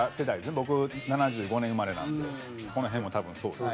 僕７５年生まれなのでこの辺も多分そうですね。